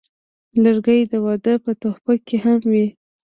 لرګی د واده په تحفو کې هم وي.